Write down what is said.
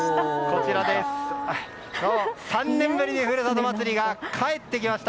３年ぶりに「ふるさと祭り」が帰ってきました。